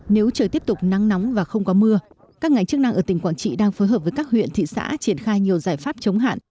nếu trời tiếp tục nắng nóng và không có mưa các ngành chức năng ở tỉnh quảng trị đang phối hợp với các huyện thị xã triển khai nhiều giải pháp chống hạn